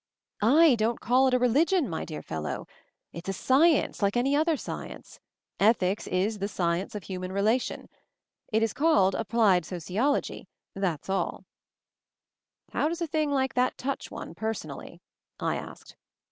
"Z don't call it a religion, my dear fellow! It's a science, like any other science. Ethics is The Science of Human Relation. It is called Applied Sociology — that's all." "How does a thing like that touch one, personally?" I asked.